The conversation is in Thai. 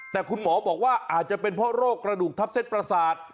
แต่คุณหมอบอกว่าอาจจะเป็นเพราะโรคกระดูกทับเส้นประสาท